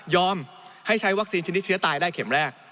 ให้ใช้วัคซีนชนิดเชื้อตายได้เข็มแรก